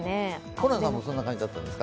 ホランさんもそんな感じだったんですか？